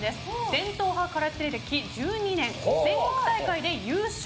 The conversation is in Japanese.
伝統派空手歴１２年全国大会で優勝。